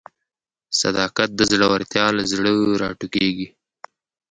صداقت د زړورتیا له زړه راټوکېږي.